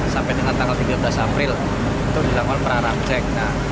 sampai dengan tanggal tiga belas april itu dilakukan para ram cek